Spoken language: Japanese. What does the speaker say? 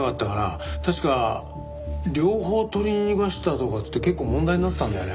確か両方取り逃がしたとかって結構問題になってたんだよね。